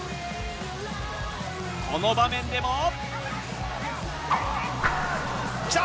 この場面でも。